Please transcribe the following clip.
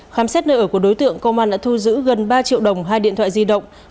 khám xét nơi ở của đối tượng công an đã thu giữ gần ba triệu đồng hai điện thoại di động